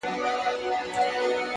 هره ستونزه د حل امکان لري!.